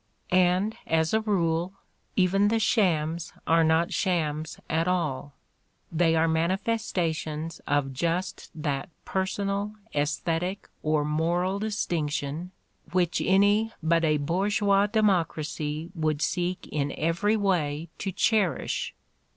And, as a rule, even the "shams" are not shams at all; they are manifestations of just that personal, Eesthetic or moral distinction which any but a bour geois democracy would seek in every way to cherish.